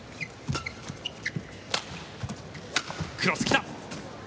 クロス、来た。